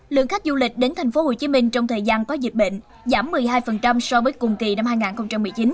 lượng khách du lịch đến tp hcm trong thời gian có dịch bệnh giảm một mươi hai so với cùng kỳ năm hai nghìn một mươi chín